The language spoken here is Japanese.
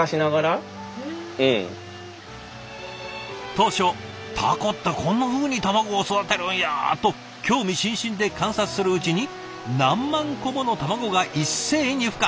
当初「タコってこんなふうに卵を育てるんや」と興味津々で観察するうちに何万個もの卵が一斉にふ化。